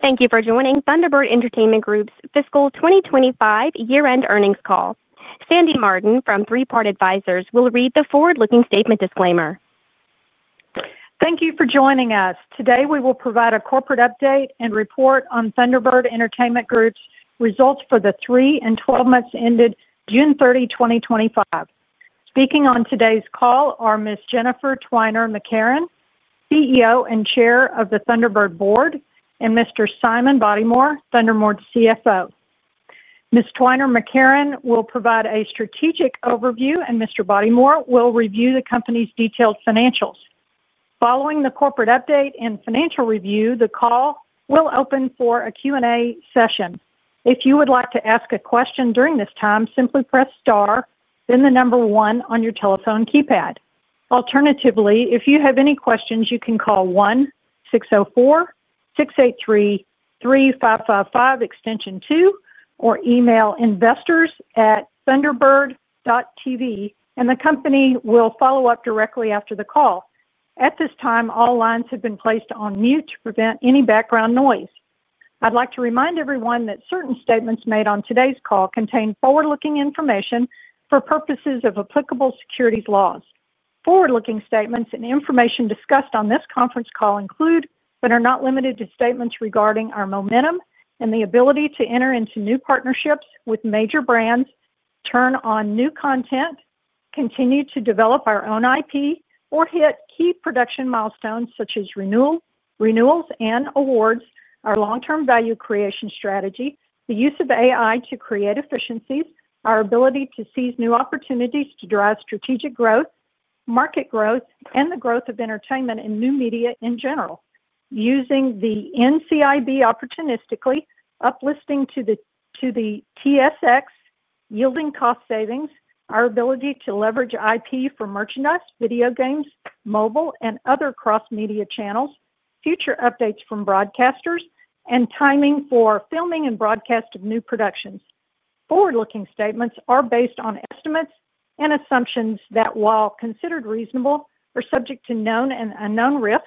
Thank you for joining Thunderbird Entertainment Group's fiscal 2025 year-end earnings call. Sandy Martin from Three Part Advisors will read the forward-looking statement disclaimer. Thank you for joining us. Today, we will provide a corporate update and report on Thunderbird Entertainment Group's results for the three and twelve months ended June 30, 2025. Speaking on today's call are Ms. Jennifer Twiner-McCarron, CEO and Chair of the Thunderbird Board, and Mr. Simon Bodymore, Thunderbird's CFO. Ms. Twiner-McCarron will provide a strategic overview, and Mr. Bodymore will review the company's detailed financials. Following the corporate update and financial review, the call will open for a Q&A session. If you would like to ask a question during this time, simply press star, then the number one on your telephone keypad. Alternatively, if you have any questions, you can call 1-604-683-3555 extension two or email investors@thunderbird.tv, and the company will follow up directly after the call. At this time, all lines have been placed on mute to prevent any background noise. I'd like to remind everyone that certain statements made on today's call contain forward-looking information for purposes of applicable Securities Laws. Forward-looking statements and information discussed on this conference call include, but are not limited to, statements regarding our momentum and the ability to enter into new partnerships with major brands, turn on new content, continue to develop our own IP, or hit key production milestones such as renewals and awards, our long-term value creation strategy, the use of AI to create efficiencies, our ability to seize new opportunities to drive strategic growth, market growth, and the growth of entertainment and new media in general. Using the NCIB opportunistically, uplisting to the TSX, yielding cost savings, our ability to leverage IP for merchandise, video games, mobile, and other cross-media channels, future updates from broadcasters, and timing for filming and broadcast of new productions. Forward-looking statements are based on estimates and assumptions that, while considered reasonable, are subject to known and unknown risks,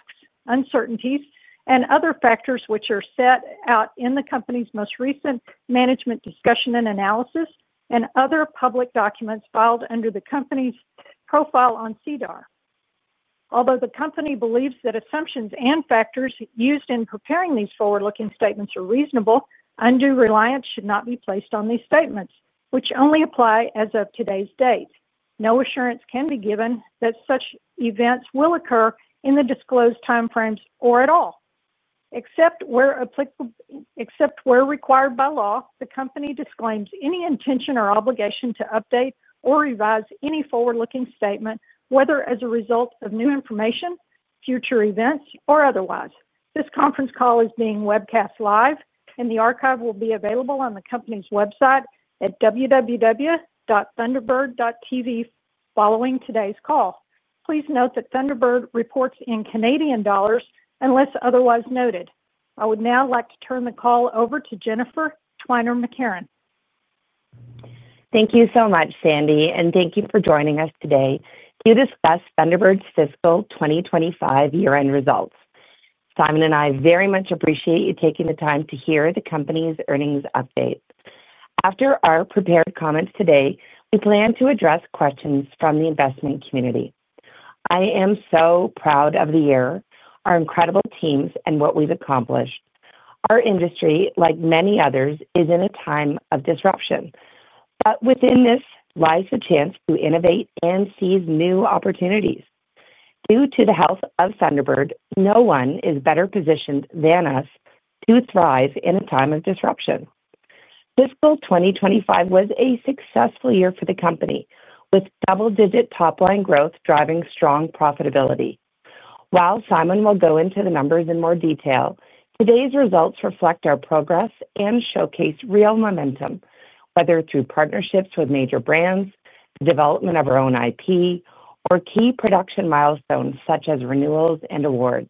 uncertainties, and other factors which are set out in the company's most recent management discussion and analysis and other public documents filed under the company's profile on CEDAR. Although the company believes that assumptions and factors used in preparing these forward-looking statements are reasonable, undue reliance should not be placed on these statements, which only apply as of today's date. No assurance can be given that such events will occur in the disclosed timeframes or at all. Except where required by law, the company disclaims any intention or obligation to update or revise any forward-looking statement, whether as a result of new information, future events, or otherwise. This conference call is being webcast live, and the archive will be available on the company's website at www.thunderbird.tv following today's call. Please note that Thunderbird reports in Canadian dollars unless otherwise noted. I would now like to turn the call over to Jennifer Twiner-McCarron. Thank you so much, Sandy, and thank you for joining us today to discuss Thunderbird's fiscal 2025 year-end results. Simon and I very much appreciate you taking the time to hear the company's earnings update. After our prepared comments today, we plan to address questions from the investment community. I am so proud of the year, our incredible teams, and what we've accomplished. Our industry, like many others, is in a time of disruption, but within this lies the chance to innovate and seize new opportunities. Due to the health of Thunderbird, no one is better positioned than us to thrive in a time of disruption. Fiscal 2025 was a successful year for the company, with double-digit top-line growth driving strong profitability. While Simon will go into the numbers in more detail, today's results reflect our progress and showcase real momentum, whether through partnerships with major brands, the development of our own IP, or key production milestones such as renewals and awards.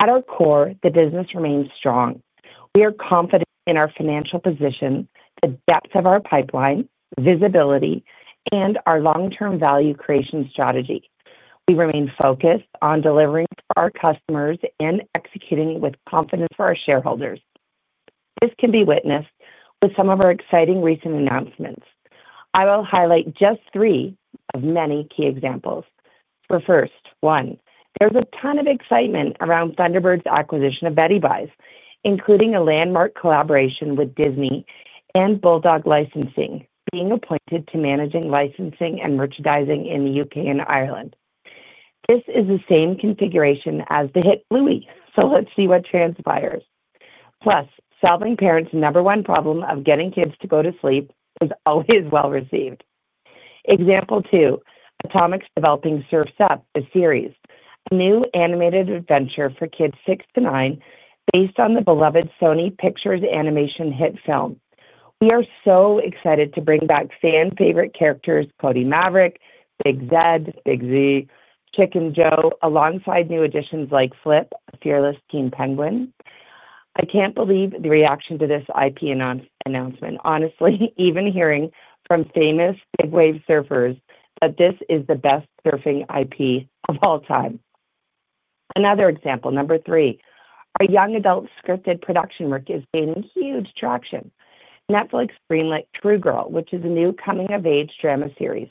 At our core, the business remains strong. We are confident in our financial position, the depth of our pipeline, visibility, and our long-term value creation strategy. We remain focused on delivering for our customers and executing with confidence for our shareholders. This can be witnessed with some of our exciting recent announcements. I will highlight just three of many key examples. First, there is a ton of excitement around Thunderbird's acquisition of Beddybyes including a landmark collaboration with Disney and Bulldog Licensing, being appointed to managing licensing and merchandising in the U.K. and Ireland. This is the same configuration as the hit Louie, so let's see what transpires. Plus, solving parents' number one problem of getting kids to go to sleep is always well received. Example two, [Potomac's] developing Surf’s Up, a series, a new animated adventure for kids six to nine, based on the beloved Sony Pictures Animation hit film. We are so excited to bring back fan-favorite characters: Cody Maverick, Big Dad, Big Z, Chicken Joe, alongside new additions like Flip, a fearless teen penguin. I can't believe the reaction to this IP announcement. Honestly, even hearing from famous big wave surfers that this is the best surfing IP of all time. Another example, number three, a young adult scripted production work is gaining huge traction. Netflix's greenlighting Crew Girl, which is a new coming-of-age drama series.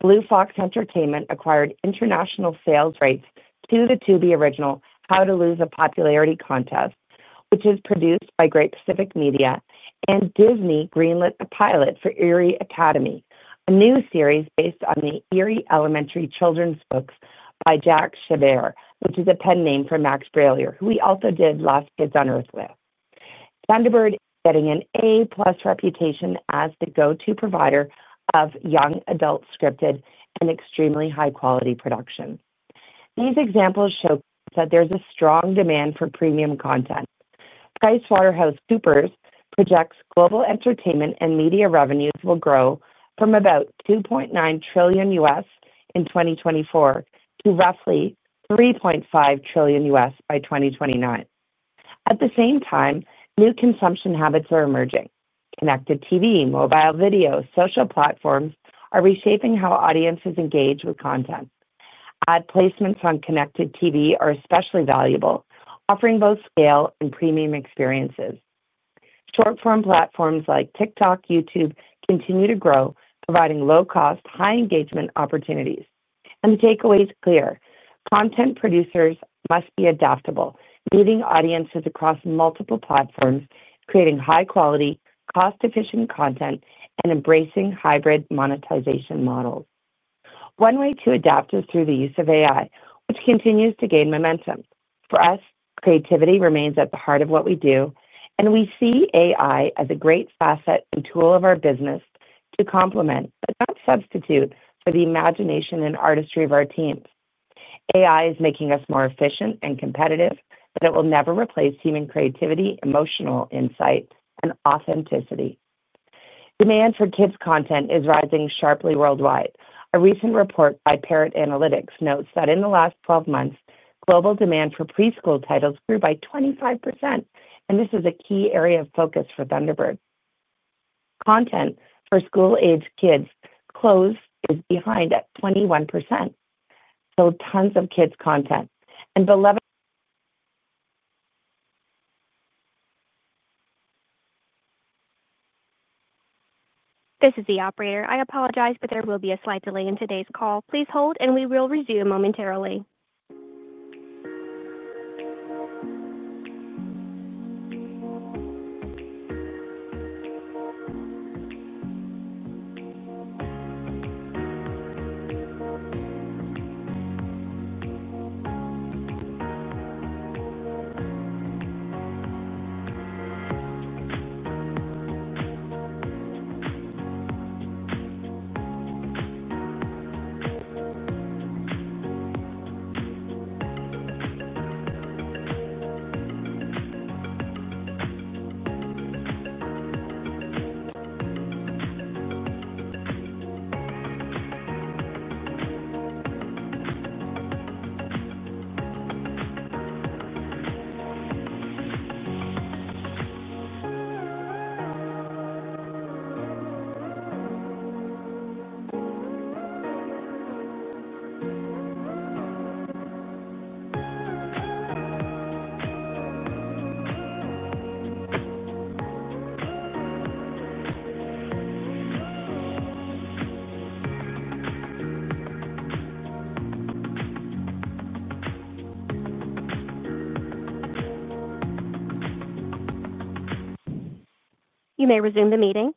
Blue Fox Entertainment acquired international sales rights to the TV original, How to Lose a Popularity Contest, which is produced by Great Pacific Media, and Disney greenlit a pilot for Eerie Academy, a new series based on the Eerie Elementary children's books by Jack Chabert, which is a pen name for Max Brallier, who we also did Lost Kids on Earth with. Thunderbird is getting an A+ reputation as the go-to provider of young adult scripted and extremely high-quality production. These examples show that there's a strong demand for premium content. PricewaterhouseCoopers projects global entertainment and media revenues will grow from about 2.9 trillion. in 2024 to roughly 3.5 trillion by 2029. At the same time, new consumption habits are emerging. Connected TV, mobile video, and social platforms are reshaping how audiences engage with content. Ad placements on connected TV are especially valuable, offering both scale and premium experiences. Short-form platforms like TikTok and YouTube continue to grow, providing low-cost, high-engagement opportunities. The takeaway is clear: content producers must be adaptable, meeting audiences across multiple platforms, creating high-quality, cost-efficient content, and embracing hybrid monetization models. One way to adapt is through the use of AI, which continues to gain momentum. For us, creativity remains at the heart of what we do, and we see AI as a great facet and tool of our business to complement, not substitute, for the imagination and artistry of our teams. AI is making us more efficient and competitive, but it will never replace human creativity, emotional insight, and authenticity. Demand for kids' content is rising sharply worldwide. A recent report by Parrot Analytics notes that in the last 12 months, global demand for preschool titles grew by 25%, and this is a key area of focus for Thunderbird. Content for school-aged kids' shows is behind at 21%. Tons of kids' content. And below. This is the operator. I apologize, but there will be a slight delay in today's call. Please hold, and we will resume momentarily. You may resume the meeting.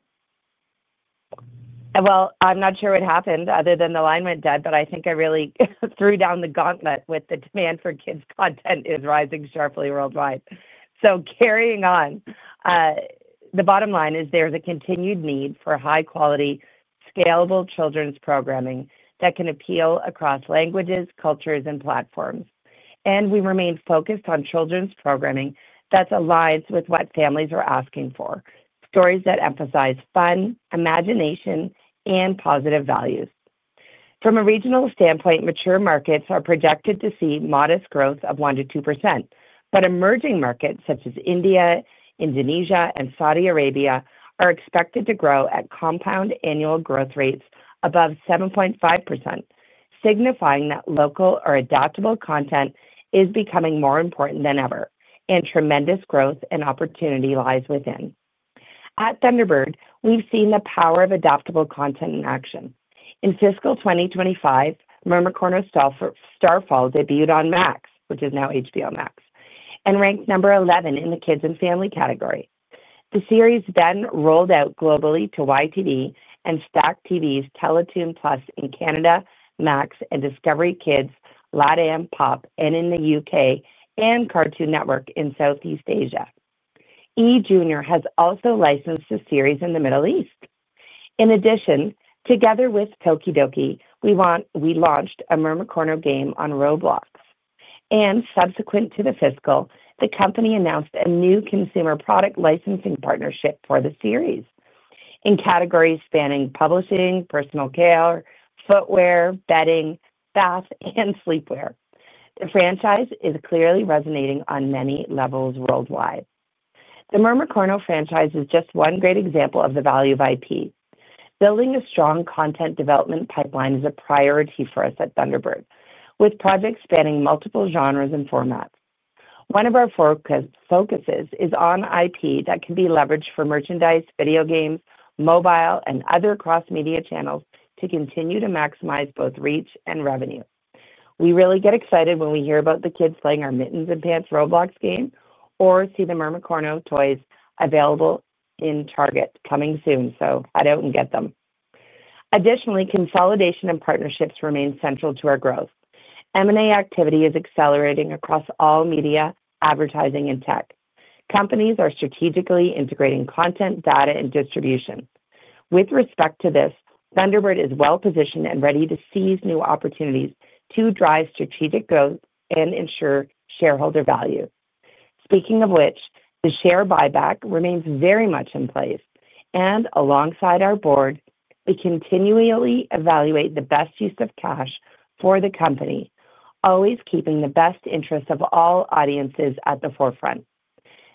I'm not sure what happened other than the line went dead, but I think I really threw down the gauntlet with the demand for kids' content is rising sharply worldwide. Carrying on, the bottom line is there's a continued need for high-quality, scalable children's programming that can appeal across languages, cultures, and platforms. We remain focused on children's programming that's aligned with what families are asking for: stories that emphasize fun, imagination, and positive values. From a regional standpoint, mature markets are projected to see modest growth of 1% to 2%, but emerging markets such as India, Indonesia, and Saudi Arabia are expected to grow at compound annual growth rates above 7.5%, signifying that local or adaptable content is becoming more important than ever, and tremendous growth and opportunity lies within. At Thunderbird, we've seen the power of adaptable content in action. In Fiscal 2025, Mermicorno: Starfall debuted on Max, which is now HBO Max, and ranked number 11 in the kids and family category. The series then rolled out globally to YTV and STACKTV's TELETOON+ in Canada, Max and Discovery Kids, [LaDama Pop,] and in the U.K, and Cartoon Network in Southeast Asia. e-Junior has also licensed the series in the Middle East. In addition, together with Tokidoki, we launched a Mermicorno game on Roblox. Subsequent to the fiscal, the company announced a new consumer product licensing partnership for the series in categories spanning publishing, personal care, footwear, bedding, bath, and sleepwear. The franchise is clearly resonating on many levels worldwide. The Mermicorno franchise is just one great example of the value of IP. Building a strong content development pipeline is a priority for us at Thunderbird, with projects spanning multiple genres and formats. One of our focuses is on IP that can be leveraged for merchandise, video games, mobile, and other cross-media channels to continue to maximize both reach and revenue. We really get excited when we hear about the kids playing our Mittens & Pants Roblox game or see the Mermicorno toys available in Target coming soon, so head out and get them. Additionally, consolidation and partnerships remain central to our growth. M&A activity is accelerating across all media, advertising, and tech. Companies are strategically integrating content, data, and distribution. With respect to this, Thunderbird is well positioned and ready to seize new opportunities to drive strategic growth and ensure shareholder value. Speaking of which, the share buyback remains very much in place, and alongside our Board, we continually evaluate the best use of cash for the company, always keeping the best interest of all audiences at the forefront.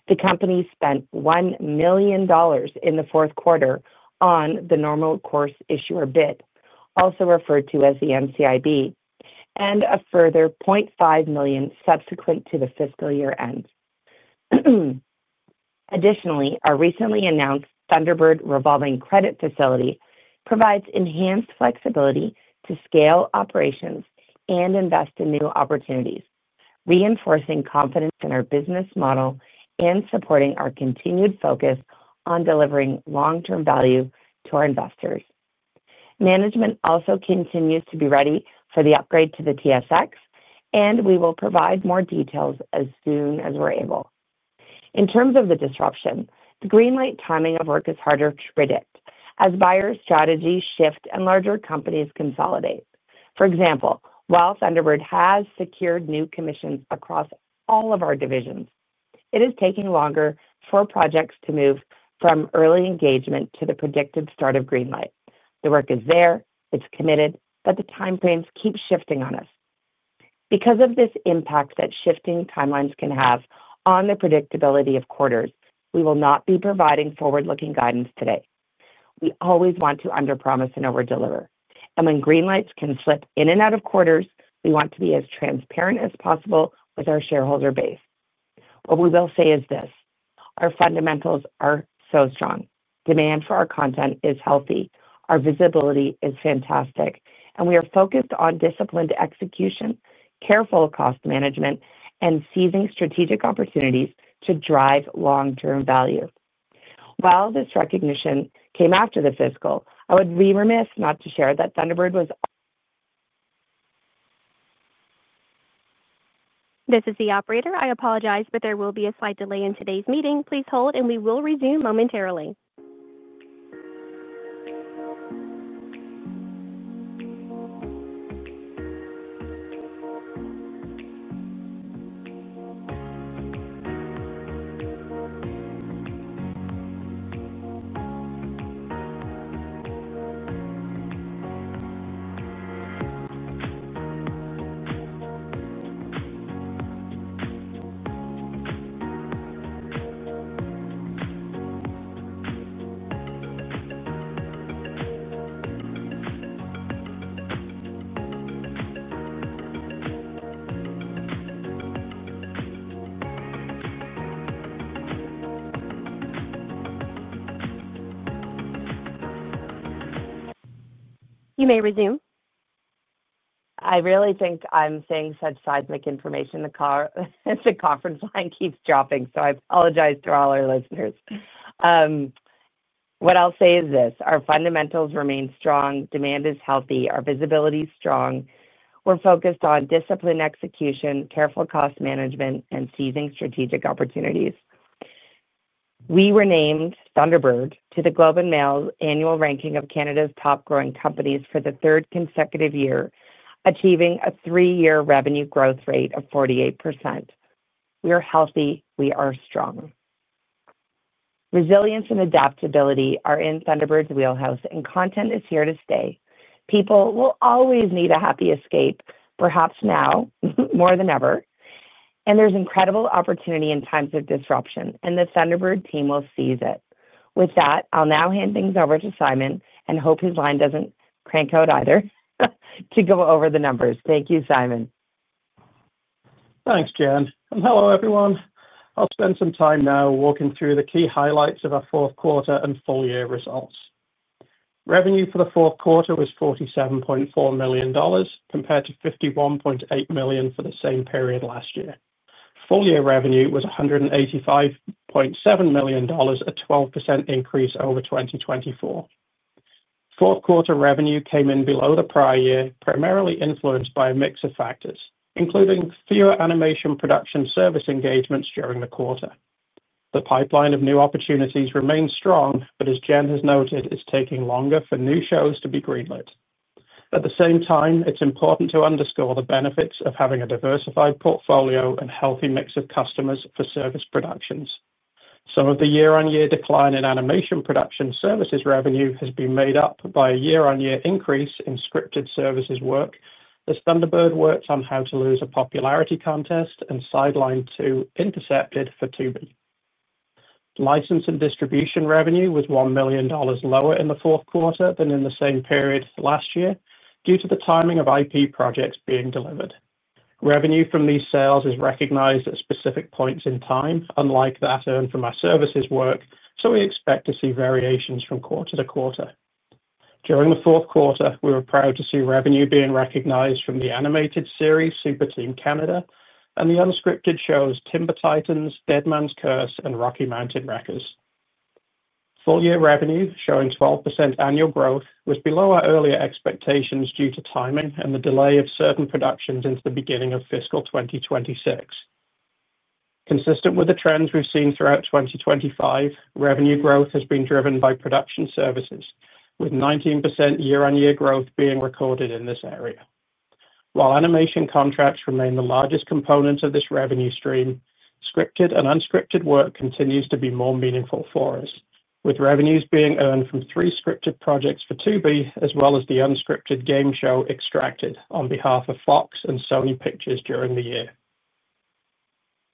The company spent $1 million in the fourth quarter on the normal course issuer bid, also referred to as the NCIB, and a further 0.5 million subsequent to the fiscal year end. Additionally, our recently announced Thunderbird Revolving Credit Facility provides enhanced flexibility to scale operations and invest in new opportunities, reinforcing confidence in our business model and supporting our continued focus on delivering long-term value to our investors. Management also continues to be ready for the upgrade to the TSX, and we will provide more details as soon as we're able. In terms of the disruption, the greenlighting timing of work is harder to predict as buyer strategies shift and larger companies consolidate. For example, while Thunderbird has secured new commissions across all of our divisions, it is taking longer for projects to move from early engagement to the predicted start of greenlight. The work is there, it's committed, but the timeframes keep shifting on us. Because of this impact that shifting timelines can have on the predictability of quarters, we will not be providing forward-looking guidance today. We always want to underpromise and overdeliver. When greenlights can slip in and out of quarters, we want to be as transparent as possible with our shareholder base. What we will say is this: our fundamentals are so strong. Demand for our content is healthy. Our visibility is fantastic. We are focused on disciplined execution, careful cost management, and seizing strategic opportunities to drive long-term value. While this recognition came after the fiscal, I would be remiss not to share that Thunderbird was. This is the operator. I apologize, but there will be a slight delay in today's meeting. Please hold, and we will resume momentarily. You may resume. I really think I'm saying such seismic information the conference line keeps dropping, so I apologize to all our listeners. What I'll say is this: our fundamentals remain strong, demand is healthy, our visibility is strong. We're focused on disciplined execution, careful cost management, and seizing strategic opportunities. We were named Thunderbird to The Globe and Mail's annual ranking of Canada's top growing companies for the third consecutive year, achieving a three-year revenue growth rate of 48%. We are healthy. We are strong. Resilience and adaptability are in Thunderbird's wheelhouse, and content is here to stay. People will always need a happy escape, perhaps now more than ever. There is incredible opportunity in times of disruption, and the Thunderbird team will seize it. With that, I'll now hand things over to Simon and hope his line doesn't crank out either to go over the numbers. Thank you, Simon. Thanks, Jen. Hello, everyone. I'll spend some time now walking through the key highlights of our fourth quarter and full-year results. Revenue for the fourth quarter was 47.4 million dollars compared to 51.8 million for the same period last year. Full-year revenue was 185.7 million dollars, a 12% increase over 2024. Fourth quarter revenue came in below the prior year, primarily influenced by a mix of factors, including fewer animation production service engagements during the quarter. The pipeline of new opportunities remains strong, but as Jen has noted, it's taking longer for new shows to be greenlit. At the same time, it's important to underscore the benefits of having a diversified portfolio and a healthy mix of customers for service productions. Some of the year-on-year decline in animation production services revenue has been made up by a year-on-year increase in scripted services work as Thunderbird worked on How to Lose a Popularity Contest and Sidelined 2: Intercepted for Tubi. License and distribution revenue was 1 million dollars lower in the fourth quarter than in the same period last year due to the timing of IP projects being delivered. Revenue from these sales is recognized at specific points in time, unlike that earned from our services work, so we expect to see variations from quarter-to-quarter. During the fourth quarter, we were proud to see revenue being recognized from the animated series Super Team Canada and the unscripted shows Timber Titans, Dead Man’s Curse, and Rocky Mountain Wreckers. Full-year revenue showing 12% annual growth was below our earlier expectations due to timing and the delay of certain productions into the beginning of fiscal 2026. Consistent with the trends we've seen throughout 2025, revenue growth has been driven by production services, with 19% year-on-year growth being recorded in this area. While animation contracts remain the largest components of this revenue stream, scripted and unscripted work continues to be more meaningful for us, with revenues being earned from three scripted projects for Tubi, as well as the unscripted game show Extracted on behalf of Fox and Sony Pictures during the year.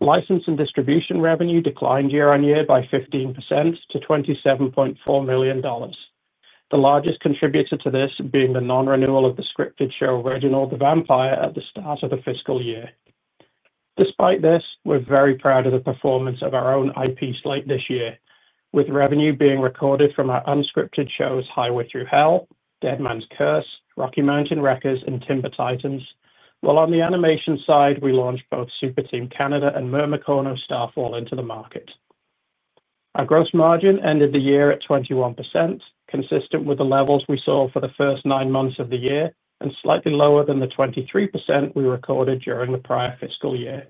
License and distribution revenue declined year-on-year by 15% to $27.4 million, the largest contributor to this being the non-renewal of the scripted show Reginald the Vampire at the start of the fiscal year. Despite this, we're very proud of the performance of our own IP slate this year, with revenue being recorded from our unscripted shows Highway Thru Hell, Dead Man’s Curse, Rocky Mountain Wreckers, and Timber Titans. While on the animation side, we launched both Super Team Canada and Mermicorno: Starfall into the market. Our gross margin ended the year at 21%, consistent with the levels we saw for the first nine months of the year and slightly lower than the 23% we recorded during the prior fiscal year.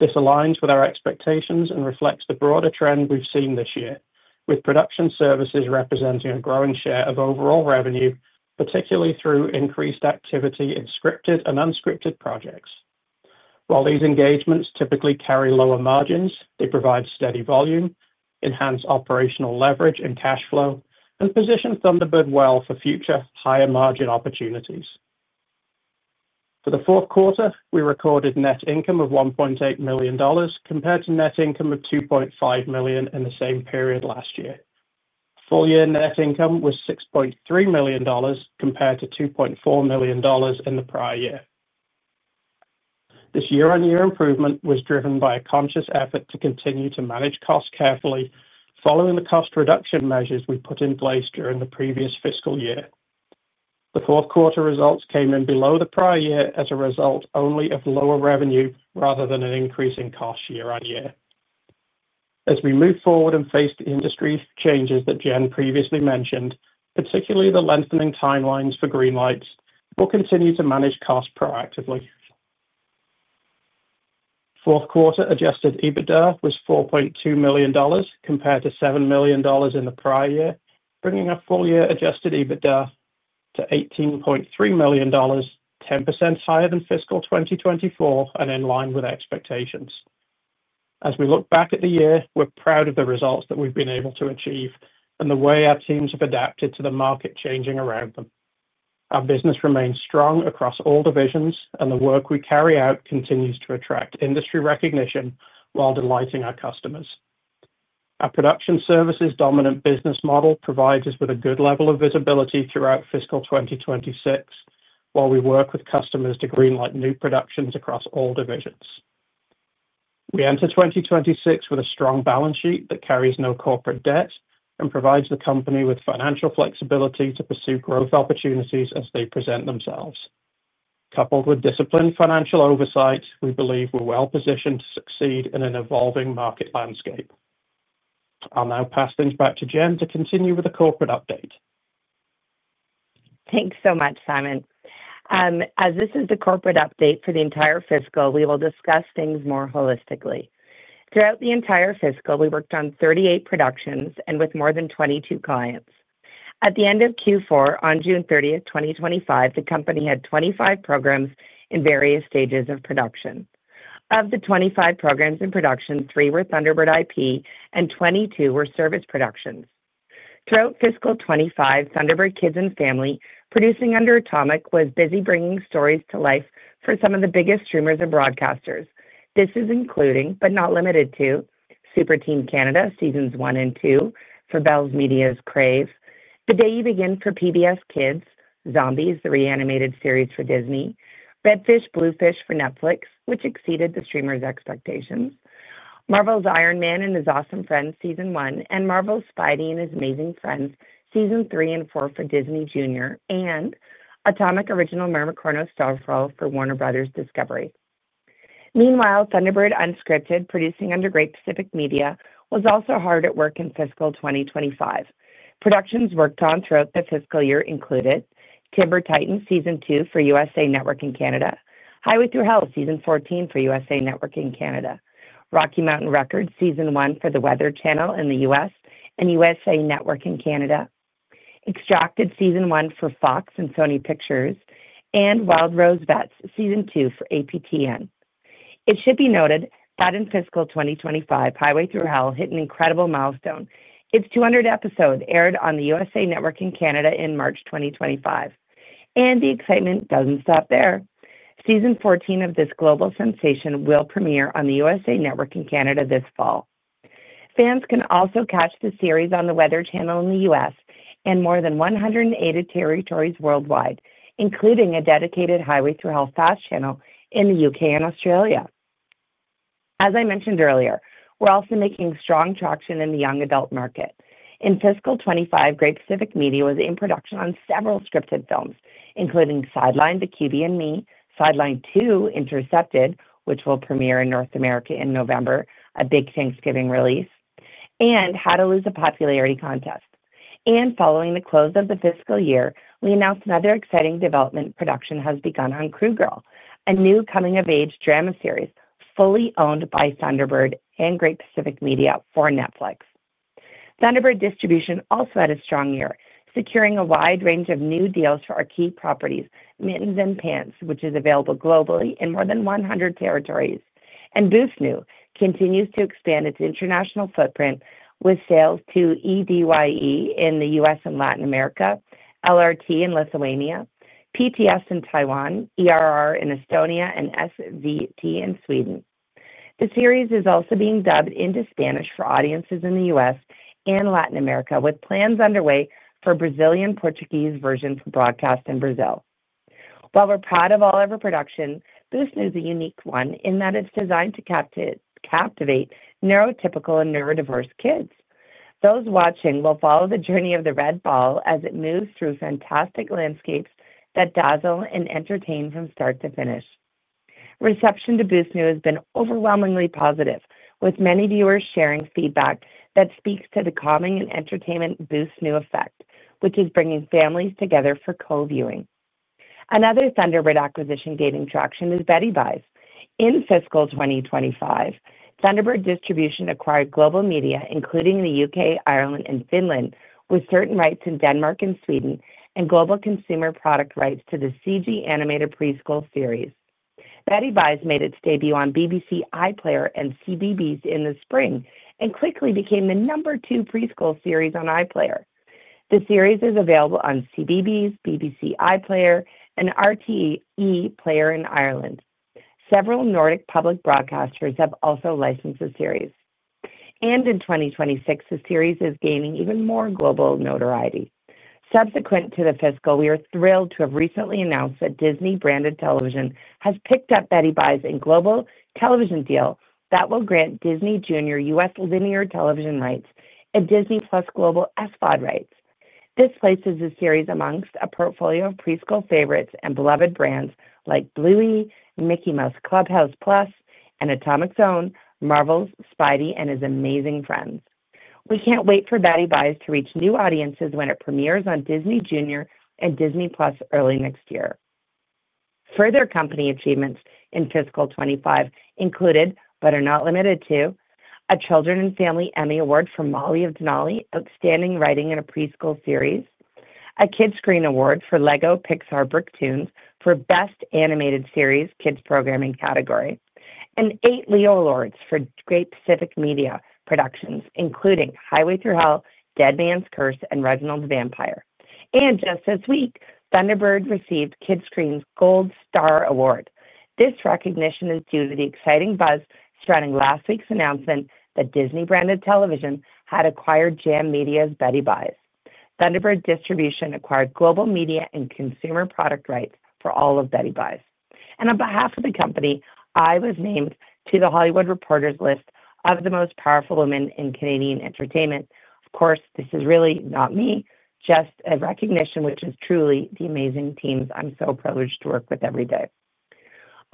This aligns with our expectations and reflects the broader trend we've seen this year, with production representing a growing share of overall revenue, particularly through increased activity in scripted and unscripted projects. While these engagements typically carry lower margins, they provide steady volume, enhance operational leverage and cash flow, and position Thunderbird well for future higher margin opportunities. For the fourth quarter, we recorded net income of 1.8 million dollars compared to net income of 2.5 million in the same period last year. Full-year net income was million dollars compared to 2.4 million dollars in the prior year. This year-on-year improvement was driven by a conscious effort to continue to manage costs carefully, following the cost reduction measures we put in place during the previous fiscal year. The fourth quarter results came in below the prior year as a result only of lower revenue rather than an increase in cost year-on-year. As we move forward and face the industry changes that Jen previously mentioned, particularly the lengthening timelines for greenlight, we'll continue to manage costs proactively. Fourth quarter adjusted EBITDA was 4.2 million dollars compared to 7 million dollars in the prior year, bringing our full-year adjusted EBITDA to 18.3 million dollars, 10% higher than fiscal 2024 and in line with expectations. As we look back at the year, we're proud of the results that we've been able to achieve and the way our teams have adapted to the market changing around them. Our business remains strong across all divisions, and the work we carry out continues to attract industry recognition while delighting our customers. Our service production dominant business model provides us with a good level of visibility throughout fiscal 2026, while we work with customers to greenlight new productions across all divisions. We enter 2026 with a strong balance sheet that carries no corporate debt and provides the company with financial flexibility to pursue growth opportunities as they present themselves. Coupled with disciplined financial oversight, we believe we're well positioned to succeed in an evolving market landscape. I'll now pass things back to Jen to continue with the corporate update. Thanks so much, Simon. As this is the corporate update for the entire fiscal, we will discuss things more holistically. Throughout the entire fiscal, we worked on 38 productions and with more than 22 clients. At the end of Q4, on June 30, 2025, the company had 25 programs in various stages of production. Of the 25 programs in production, three were Thunderbird IP and 22 were service production. Throughout fiscal 2025, Thunderbird Kids and Family, producing under Atomic, was busy bringing stories to life for some of the biggest streamers and broadcasters. This is including, but not limited to, Super Team Canada Seasons 1 and 2 for Bell Media's Crave, The Day You Begin for PBS Kids, Zombies, the reanimated series for Disney, Betty Blue Fish for Netflix, which exceeded the streamer's expectations, Marvel's Iron Man and His Awesome Friends Season 1, and Marvel's Spidey and His Amazing Friends Seasons 3 and 4 for Disney Junior, and Atomic original Mermicorno: Starfall for Max. Meanwhile, Thunderbird Unscripted, producing under Great Pacific Media, was also hard at work in fiscal 2025. Productions worked on throughout the fiscal year included Timber Titans Season 2 for USA Network and Canada, Highway Thru Hell Season 14 for USA Network and Canada, Rocky Mountain Wreckers Season 1 for The Weather Channel in the U.S. and USA Network and Canada, Extracted Season 1 for Fox and Sony Pictures, and Wild Rose Vets Season 2 for APTN. It should be noted that in fiscal 2025, Highway Thru Hell hit an incredible milestone. Its 200th episode aired on USA Network and Canada in March 2025. The excitement doesn't stop there. Season 14 of this global sensation will premiere on USA Network and Canada this fall. Fans can also catch the series on The Weather Channel in the U.S. and more than 180 territories worldwide, including a dedicated Highway Thru Hell FAST channel in the U.K. and Australia. As I mentioned earlier, we're also making strong traction in the young adult market. In fiscal 2025, Great Pacific Media was in production on several scripted films, including Sidelined 2: Intercepted, which will premiere in North America in November, a big Thanksgiving release, and How to Lose a Popularity Contest. Following the close of the fiscal year, we announced another exciting development: production has begun on Crew Girl, a new coming-of-age drama series fully owned by Thunderbird and Great Pacific Media for Netflix. Thunderbird Distribution also had a strong year, securing a wide range of new deals for our key properties, Mittens & Pants, which is available globally in more than 100 territories, and Booth New continues to expand its international footprint with sales to EDYE in the U.S. and Latin America, LRT in Lithuania, PTS in Taiwan, ERR in Estonia, and SVT in Sweden. The series is also being dubbed into Spanish for audiences in the U.S. and Latin America, with plans underway for a Brazilian Portuguese version for broadcast in Brazil. While we're proud of all of our production, Booth New is a unique one in that it's designed to captivate neurotypical and neurodiverse kids. Those watching will follow the journey of the Red Ball as it moves through fantastic landscapes that dazzle and entertain from start to finish. Reception to Booth New has been overwhelmingly positive, with many viewers sharing feedback that speaks to the calming and entertainment Booth New effect, which is bringing families together for co-viewing. Another Thunderbird acquisition gaining traction is Beddybyes. In fiscal 2025, Thunderbird Distribution acquired global media, including the U.K., Ireland, and Finland, with certain rights in Denmark and Sweden, and global consumer product rights to the CG animated preschool series. Beddybyes made its debut on BBC iPlayer and CBeebies in the spring and quickly became the number two preschool series on iPlayer. The series is available on CBeebies, BBC iPlayer, and RTE Player in Ireland. Several Nordic public broadcasters have also licensed the series. In 2026, the series is gaining even more global notoriety. Subsequent to the fiscal, we are thrilled to have recently announced that Disney Branded Television has picked up Beddybyes in a global television deal that will grant Disney Junior U.S. linear television rights and Disney Plus Global SVOD rights. This places the series amongst a portfolio of preschool favorites and beloved brands like Bluey, Mickey Mouse Clubhouse+, and Atomic Zone, Marvel's Spidey and His Amazing Friends. We can't wait for Beddybyes to reach new audiences when it premieres on Disney Junior and Disney+ early next year. Further company achievements in fiscal 2025 included, but are not limited to, a Children and Family Emmy Award for Molly of Denali Outstanding Writing in a Preschool Series, a Kidscreen Award for LEGO Pixar Brick Tunes for Best Animated Series Kids Programming Category, and eight Leo Awards for Great Pacific Media productions, including Highway Thru Hell, Dead Man’s Curse, and Reginald the Vampire. Just this week, Thunderbird received Kidscreen's Gold Star Award. This recognition is due to the exciting buzz surrounding last week's announcement that Disney Branded Television had acquired JAM Media's Beddybyes. Thunderbird Distribution acquired global media and consumer product rights for all of Beddybyes. On behalf of the company, I was named to The Hollywood Reporter's list of the Most Powerful Women in Canadian Entertainment. Of course, this is really not me, just a recognition which is truly the amazing teams I'm so privileged to work with every day.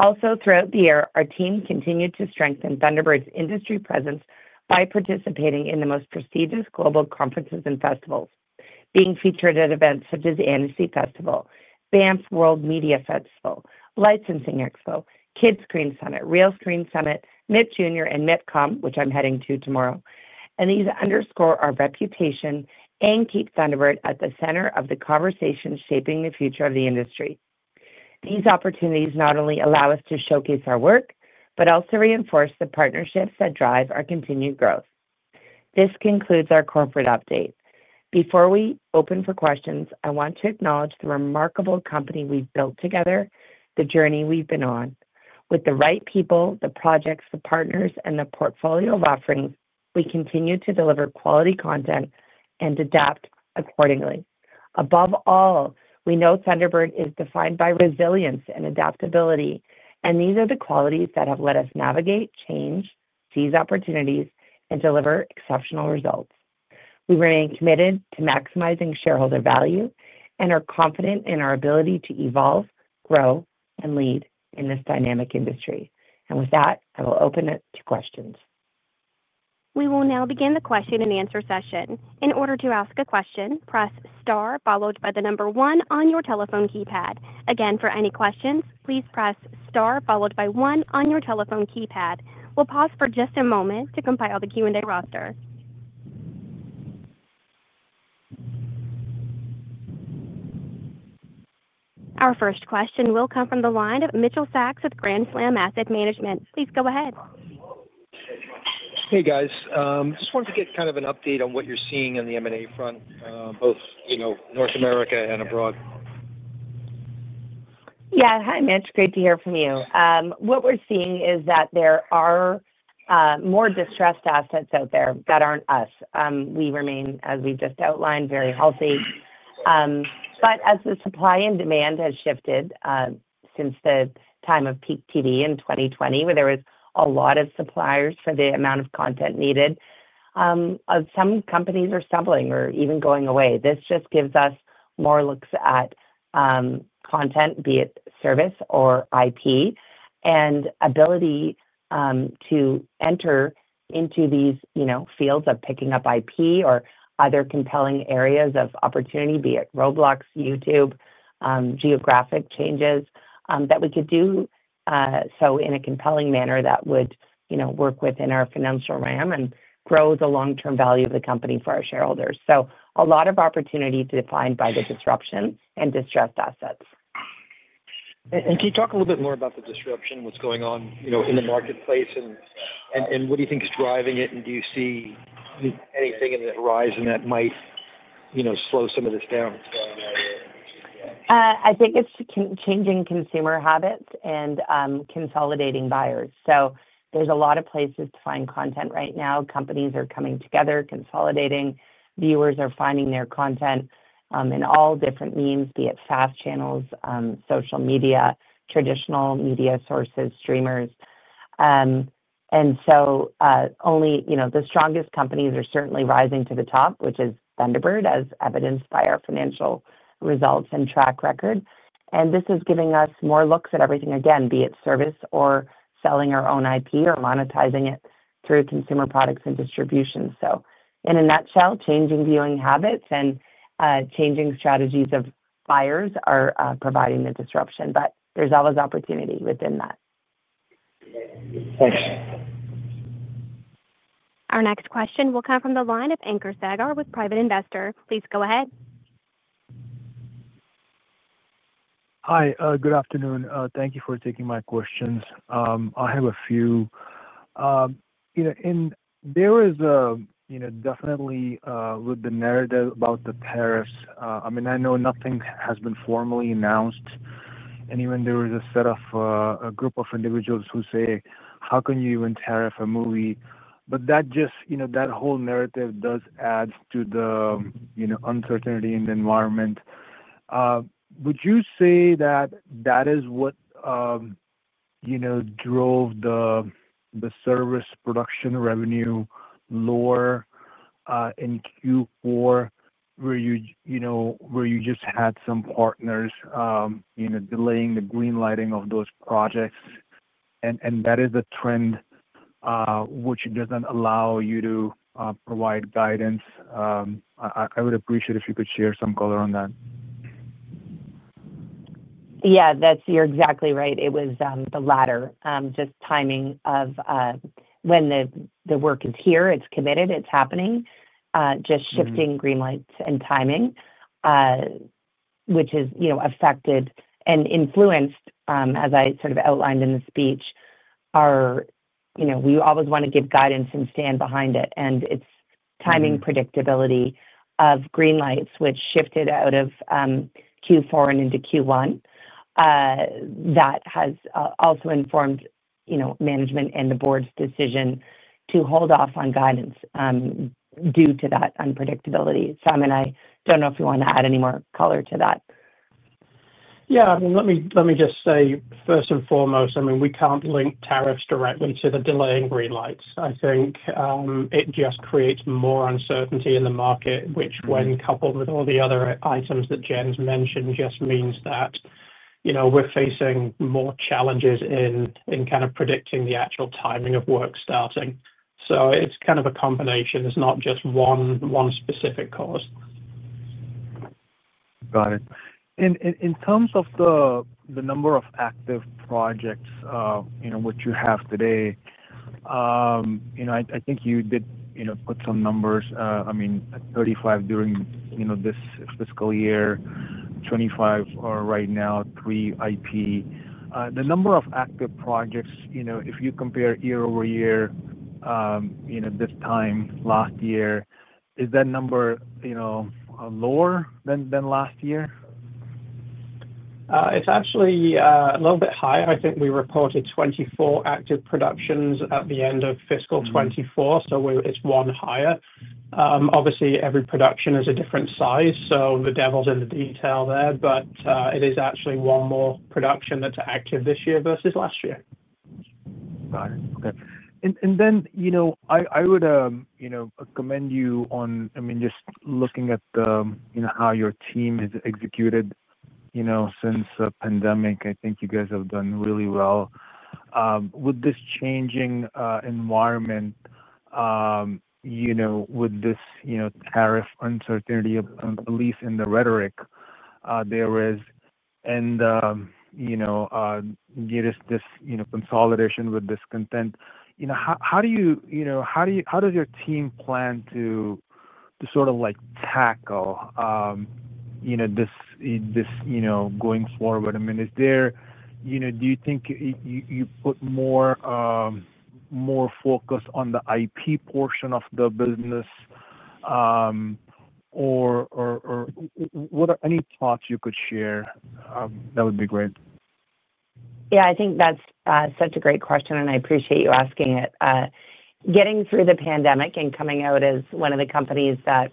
Throughout the year, our team continued to strengthen Thunderbird's industry presence by participating in the most prestigious global conferences and festivals, being featured at events such as Annecy Festival, Banff World Media Festival, Licensing Expo, Kidscreen Summit, Realscreen Summit, MIPJunior, and MIPCOM, which I'm heading to tomorrow. These underscore our reputation and keep Thunderbird at the center of the conversation shaping the future of the industry. These opportunities not only allow us to showcase our work, but also reinforce the partnerships that drive our continued growth. This concludes our corporate update. Before we open for questions, I want to acknowledge the remarkable company we've built together, the journey we've been on. With the right people, the projects, the partners, and the portfolio of offerings, we continue to deliver quality content and adapt accordingly. Above all, we know Thunderbird is defined by resilience and adaptability, and these are the qualities that have let us navigate change, seize opportunities, and deliver exceptional results. We remain committed to maximizing shareholder value and are confident in our ability to evolve, grow, and lead in this dynamic industry. With that, I will open it to questions. We will now begin the question-and-answer session. In order to ask a question, press star followed by the number one on your telephone keypad. Again, for any questions, please press star followed by one on your telephone keypad. We'll pause for just a moment to compile the Q&A roster. Our first question will come from the line of Mitchell Sacks of Grand Slam Asset Management. Please go ahead. Hey, guys. I just wanted to get kind of an update on what you're seeing on the M&A front, both, you know, North America and abroad. Yeah. Hi, Mitch. Great to hear from you. What we're seeing is that there are more distressed assets out there that aren't us. We remain, as we've just outlined, very healthy. As the supply and demand has shifted since the time of peak TV in 2020, where there were a lot of suppliers for the amount of content needed, some companies are stumbling or even going away. This just gives us more looks at content, be it service or IP, and the ability to enter into these fields of picking up IP or other compelling areas of opportunity, be it Roblox, YouTube, geographic changes, that we could do so in a compelling manner that would work within our financial realm and grow the long-term value of the company for our shareholders. A lot of opportunity is defined by the disruption and distressed assets. Can you talk a little bit more about the disruption, what's going on in the marketplace, what do you think is driving it, and do you see anything in the horizon that might slow some of this down? I think it's changing consumer habits and consolidating buyers. There's a lot of places to find content right now. Companies are coming together, consolidating, viewers are finding their content in all different means, be it FAST channels, social media, traditional media sources, streamers. Only the strongest companies are certainly rising to the top, which is Thunderbird, as evidenced by our financial results and track record. This is giving us more looks at everything again, be it service or selling our own IP or monetizing it through consumer products and distribution. In a nutshell, changing viewing habits and changing strategies of buyers are providing the disruption, but there's always opportunity within that. Thanks. Our next question will come from the line of [Anker Sagar] with Private Investor. Please go ahead. Hi. Good afternoon. Thank you for taking my questions. I have a few. There is definitely the narrative about the tariffs. I mean, I know nothing has been formally announced, and even there is a set of a group of individuals who say, "How can you even tariff a movie?" That whole narrative does add to the uncertainty in the environment. Would you say that is what drove the service production revenue lower in Q4, where you just had some partners delaying the greenlighting of those projects? That is the trend which doesn't allow you to provide guidance. I would appreciate it if you could share some color on that. Yeah, you're exactly right. It was the latter, just timing of when the work is here, it's committed, it's happening, just shifting greenlighting and timing, which has affected and influenced, as I sort of outlined in the speech, our, you know, we always want to give guidance and stand behind it. It's timing predictability of greenlight, which shifted out of Q4 and into Q1. That has also informed management and the board's decision to hold off on guidance due to that unpredictability. Simon, I don't know if you want to add any more color to that. Yeah, let me just say, first and foremost, we can't link tariffs directly to the delay in greenlights. I think it just creates more uncertainty in the market, which, when coupled with all the other items that Jen's mentioned, just means that we're facing more challenges in kind of predicting the actual timing of work starting. It's kind of a combination. It's not just one specific cause. Got it. In terms of the number of active projects which you have today, I think you did put some numbers. I mean, 35 during this fiscal year, 25 are right now, three IP. The number of active projects, if you compare year-over-year, this time last year, is that number lower than last year? It's actually a little bit higher. I think we reported 24 active productions at the end of fiscal 2024, so it's one higher. Obviously, every production is a different size, so the devil's in the detail there, but it is actually one more production that's active this year versus last year. Got it. Okay. I would commend you on, I mean, just looking at how your team has executed since the pandemic. I think you guys have done really well. With this changing environment, with this tariff uncertainty, at least in the rhetoric there is, and this consolidation with this content, how does your team plan to sort of like tackle this going forward? I mean, do you think you put more focus on the IP portion of the business, or what are any thoughts you could share? That would be great. Yeah, I think that's such a great question, and I appreciate you asking it. Getting through the pandemic and coming out as one of the companies that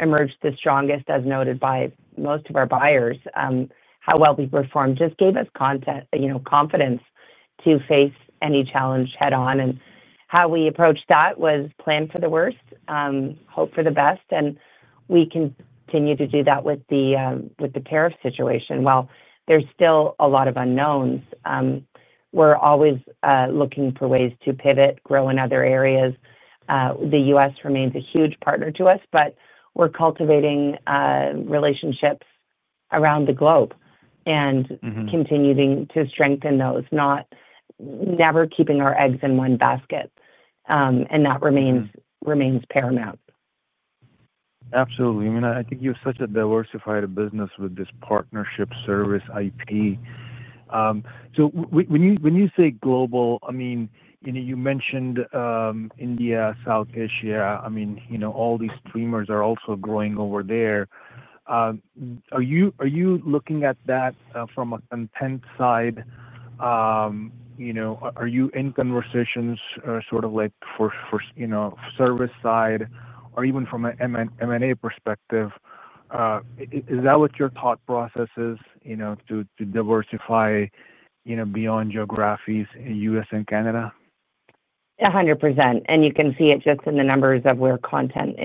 emerged the strongest, as noted by most of our buyers, how well we performed just gave us confidence to face any challenge head-on. How we approached that was plan for the worst, hope for the best, and we continue to do that with the tariff situation. While there's still a lot of unknowns, we're always looking for ways to pivot and grow in other areas. The U.S. remains a huge partner to us, but we're cultivating relationships around the globe and continuing to strengthen those, never keeping our eggs in one basket. That remains paramount. Absolutely. I mean, I think you have such a diversified business with this partnership service IP. When you say global, I mean, you mentioned India, South Asia. All these streamers are also growing over there. Are you looking at that from a content side? Are you in conversations for service side or even from an M&A perspective? Is that what your thought process is, to diversify beyond geographies in the U.S. and Canada? 100%. You can see it just in the numbers of where content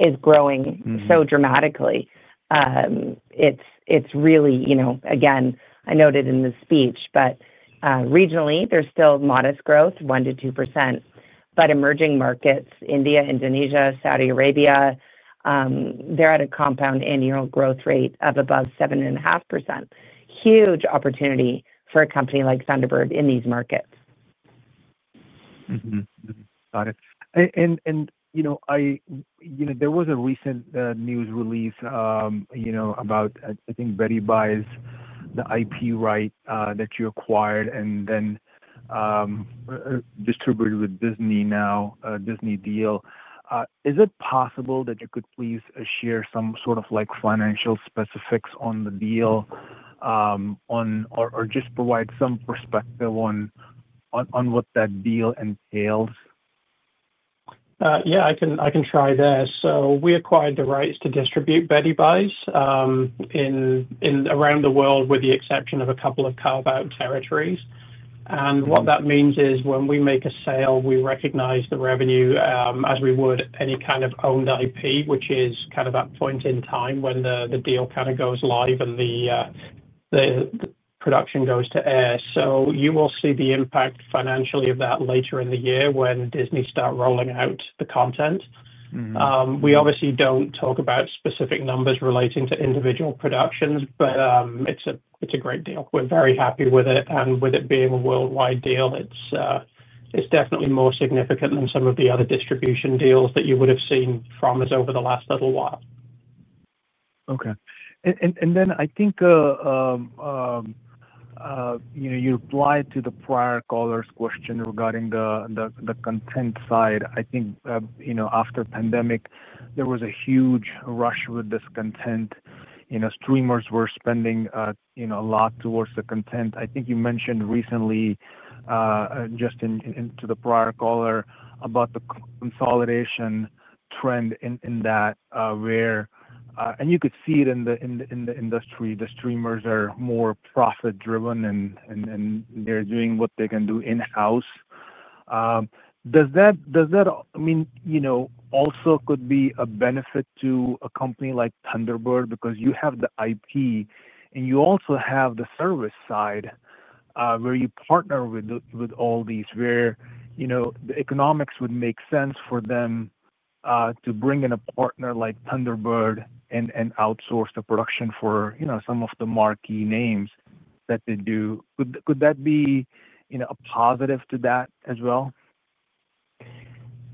is growing so dramatically. It's really, you know, again, I noted in the speech, but regionally, there's still modest growth, 1% to 2%. Emerging markets, India, Indonesia, Saudi Arabia, they're at a compound annual growth rate of above 7.5%. Huge opportunity for a company like Thunderbird in these markets. Got it. There was a recent news release about, I think, Beddybyes, the IP right that you acquired and then distributed with Disney, a Disney deal. Is it possible that you could please share some sort of financial specifics on the deal or just provide some perspective on what that deal entails? I can try there. We acquired the rights to distribute Beddybyes around the world with the exception of a couple of carve-out territories. What that means is when we make a sale, we recognize the revenue as we would any kind of owned IP, which is at that point in time when the deal goes live and the production goes to air. You will see the impact financially of that later in the year when Disney starts rolling out the content. We obviously don't talk about specific numbers relating to individual productions, but it's a great deal. We're very happy with it. With it being a worldwide deal, it's definitely more significant than some of the other distribution deals that you would have seen from us over the last little while. Okay. I think you applied to the prior caller's question regarding the content side. I think after the pandemic, there was a huge rush with this content. Streamers were spending a lot towards the content. I think you mentioned recently, just to the prior caller, about the consolidation trend in that where you could see it in the industry, the streamers are more profit-driven and they're doing what they can do in-house. Does that also could be a benefit to a company like Thunderbird because you have the IP and you also have the service side where you partner with all these, where the economics would make sense for them to bring in a partner like Thunderbird and outsource the production for some of the marquee names that they do. Could that be a positive to that as well?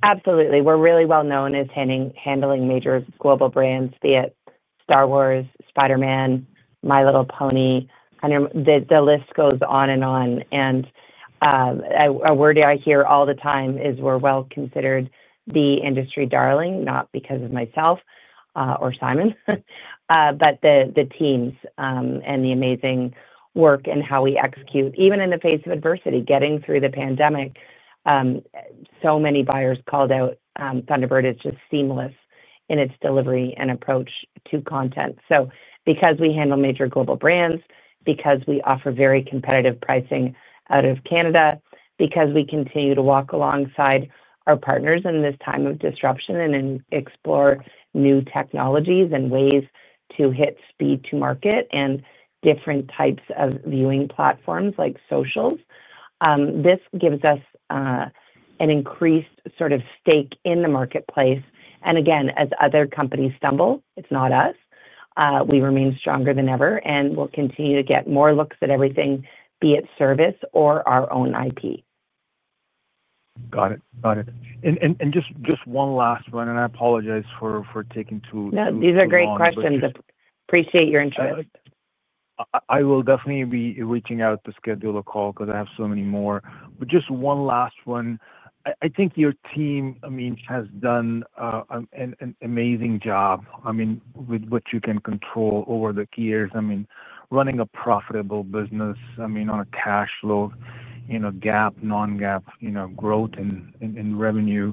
Absolutely. We're really well known as handling major global brands, be it Star Wars, Spider-Man, My Little Pony. I mean, the list goes on and on. A word I hear all the time is we're well considered the industry darling, not because of myself or Simon, but the teams and the amazing work and how we execute, even in the face of adversity getting through the pandemic. So many buyers called out Thunderbird. It's just seamless in its delivery and approach to content. Because we handle major global brands, because we offer very competitive pricing out of Canada, because we continue to walk alongside our partners in this time of disruption and explore new technologies and ways to hit speed to market and different types of viewing platforms like socials, this gives us an increased sort of stake in the marketplace. As other companies stumble, it's not us. We remain stronger than ever, and we'll continue to get more looks at everything, be it service or our own IP. Got it. Got it. Just one last one, and I apologize for taking too long. No, these are great questions. Appreciate your interest. I will definitely be reaching out to schedule a call because I have so many more. Just one last one. I think your team has done an amazing job with what you can control over the years, running a profitable business on a cash flow, you know, gap, non-gap, growth and revenue.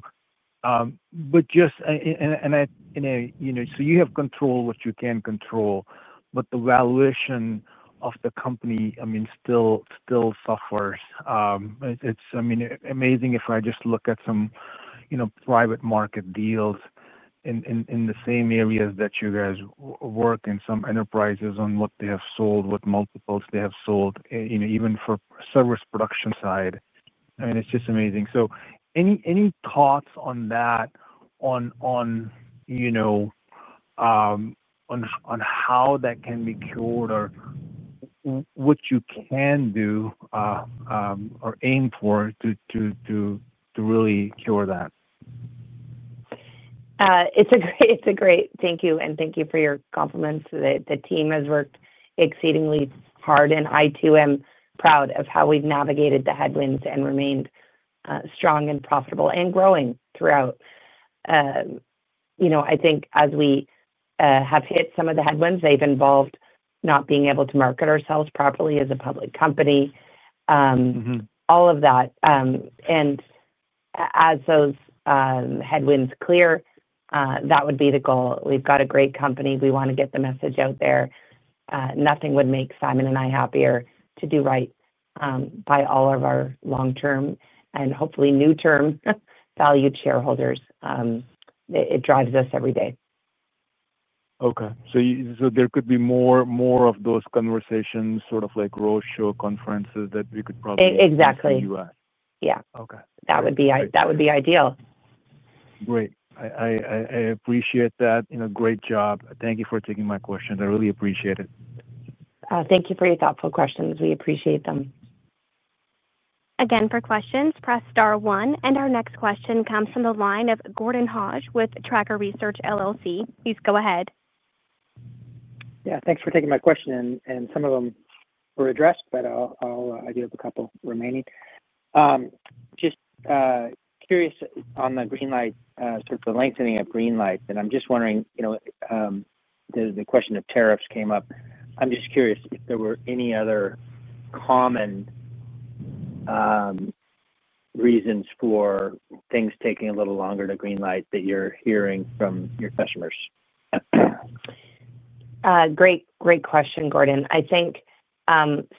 You have control of what you can control, but the valuation of the company still suffers. It's amazing if I just look at some private market deals in the same areas that you guys work in, some enterprises on what they have sold, what multiples they have sold, even for the service production side. It's just amazing. Any thoughts on that, on how that can be cured or what you can do or aim for to really cure that? It's a great, it's a great thank you, and thank you for your compliments. The team has worked exceedingly hard, and I too am proud of how we've navigated the headwinds and remained strong, profitable, and growing throughout. I think as we have hit some of the headwinds, they've involved not being able to market ourselves properly as a public company, all of that. As those headwinds clear, that would be the goal. We've got a great company. We want to get the message out there. Nothing would make Simon and I happier to do right by all of our long-term and hopefully new-term valued shareholders. It drives us every day. Okay. There could be more of those conversations, sort of like roadshow conferences that we could probably? Exactly. Yeah. Okay. That would be ideal. Great. I appreciate that. Great job. Thank you for taking my questions. I really appreciate it. Thank you for your thoughtful questions. We appreciate them. Again, for questions, press star one. Our next question comes from the line of Gordon Hodge with Tracker Research LLC. Please go ahead. Thank you for taking my question. Some of them were addressed, but I do have a couple remaining. I am curious on the greenlight, sort of the lengthening of greenlight. I am just wondering, the question of tariffs came up. I am curious if there were any other common reasons for things taking a little longer to greenlight that you are hearing from your customers. Great, great question, Gordon. I think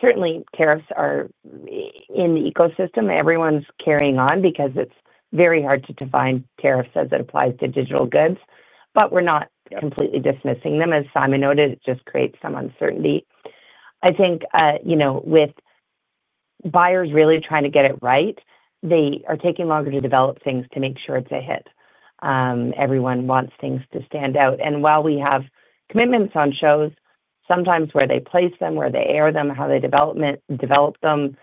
certainly tariffs are in the ecosystem. Everyone's carrying on because it's very hard to define tariffs as it applies to digital goods. We're not completely dismissing them. As Simon noted, it just creates some uncertainty. I think, with buyers really trying to get it right, they are taking longer to develop things to make sure it's a hit. Everyone wants things to stand out. While we have commitments on shows, sometimes where they place them, where they air them, how they develop them,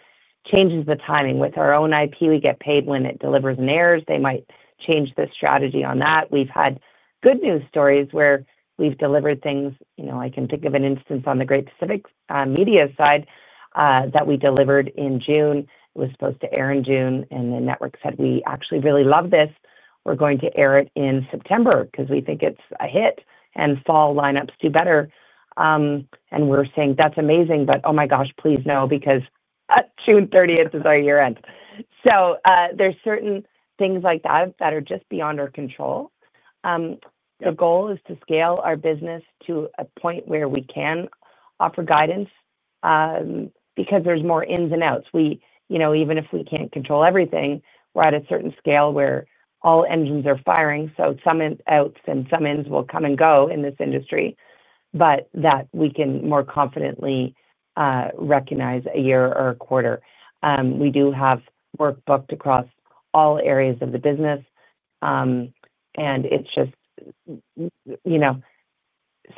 changes the timing. With our own IP, we get paid when it delivers and airs. They might change the strategy on that. We've had good news stories where we've delivered things. I can think of an instance on the Great Pacific Media side that we delivered in June. It was supposed to air in June, and the network said, "We actually really love this. We're going to air it in September because we think it's a hit, and fall lineups do better." We're saying, "That's amazing, but oh my gosh, please no, because June 30th is our year-end." There are certain things like that that are just beyond our control. The goal is to scale our business to a point where we can offer guidance because there's more ins and outs. Even if we can't control everything, we're at a certain scale where all engines are firing. Some outs and some ins will come and go in this industry, but we can more confidently recognize a year or a quarter. We do have work booked across all areas of the business. It's just,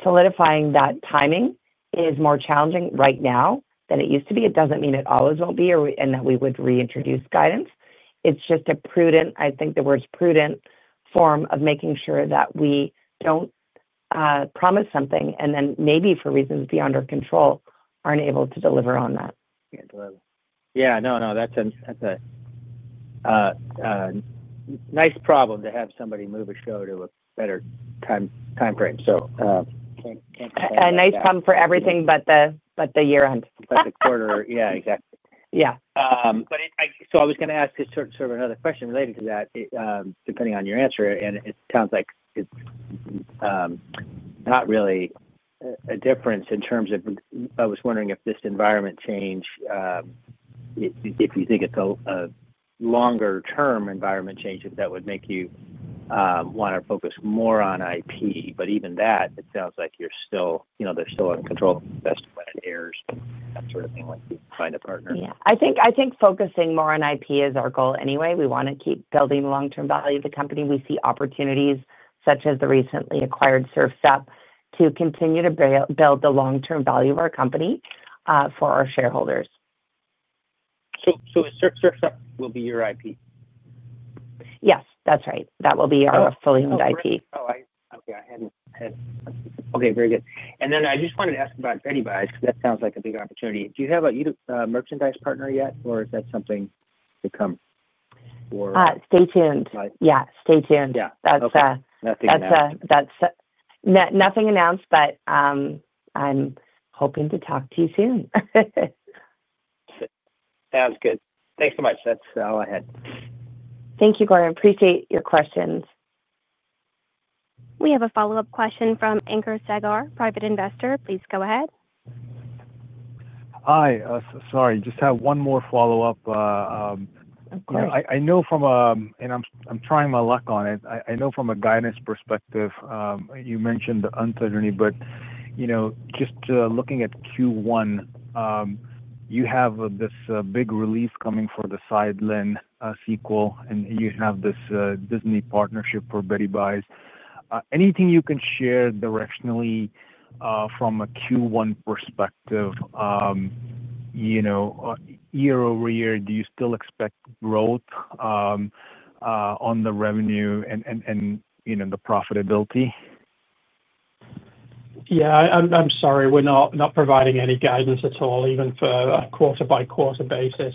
solidifying that timing is more challenging right now than it used to be. It doesn't mean it always won't be and that we would reintroduce guidance. It's just a prudent, I think the word's prudent, form of making sure that we don't promise something and then maybe for reasons beyond our control aren't able to deliver on that. Yeah, no, that's a nice problem to have, somebody move a show to a better time frame. A nice problem for everything except the year-end. The quarter, yeah, exactly. Yeah. I was going to ask you sort of another question related to that, depending on your answer. It sounds like it's not really a difference in terms of, I was wondering if this environment change, if you think it's a longer-term environment change that would make you want to focus more on IP. Even that, it sounds like you're still, you know, they're still in control of the best when it airs, that sort of thing, like you find a partner. I think focusing more on IP is our goal anyway. We want to keep building the long-term value of the company. We see opportunities such as the recently acquired Surf’s Up to continue to build the long-term value of our company for our shareholders. Surf’s Up will be your IP? Yes, that's right. That will be our fully owned IP. Okay, very good. I just wanted to ask about Beddybyes, because that sounds like a big opportunity. Do you have a merchandise partner yet, or is that something to come? Stay tuned. Yeah, stay tuned. Yeah. Nothing announced, but I'm hoping to talk to you soon. Sounds good. Thanks so much. That's all I had. Thank you, Gordon. Appreciate your questions. We have a follow-up question from [Anker Sagar,] Private Investor. Please go ahead. Hi. Sorry, just have one more follow-up. I know from a, I'm trying my luck on it. I know from a guidance perspective, you mentioned the uncertainty, but you know, just looking at Q1, you have this big relief coming for the Sidelined sequel, and you have this Disney partnership for Beddybyes. Anything you can share directionally from a Q1 perspective? You know, year-over-year, do you still expect growth on the revenue and, you know, the profitability? I'm sorry. We're not providing any guidance at all, even for a quarter-by-quarter basis.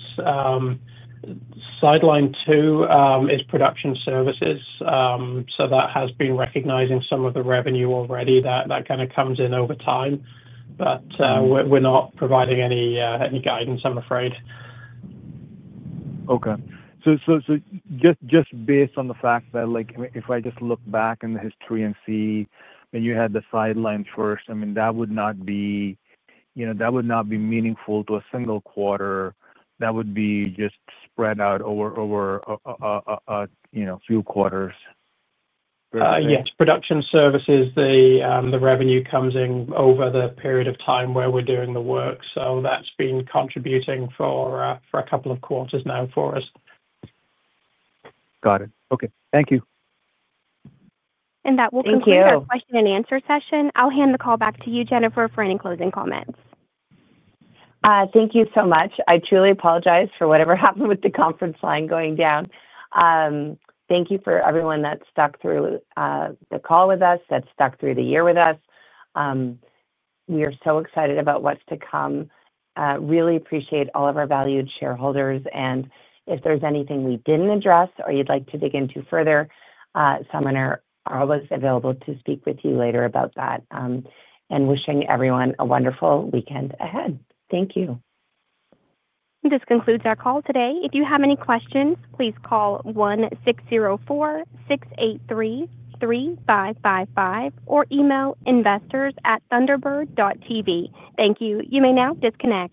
Sidelined 2 is production services. That has been recognizing some of the revenue already that kind of comes in over time. We're not providing any guidance, I'm afraid. Okay. Just based on the fact that if I just look back in the history and see that you had the sidelines first, that would not be meaningful to a single quarter. That would be just spread out over a few quarters. Yes, production services, the revenue comes in over the period of time where we're doing the work. That's been contributing for a couple of quarters now for us. Got it. Okay, thank you. That will conclude our question-and-answer session. I'll hand the call back to you, Jennifer, for any closing comments. Thank you so much. I truly apologize for whatever happened with the conference line going down. Thank you for everyone that stuck through the call with us, that stuck through the year with us. We are so excited about what's to come. Really appreciate all of our valued shareholders. If there's anything we didn't address or you'd like to dig into further, someone is always available to speak with you later about that. Wishing everyone a wonderful weekend ahead. Thank you. This concludes our call today. If you have any questions, please call 1-604-683-3555 or email investors@thunderbird.tv. Thank you. You may now disconnect.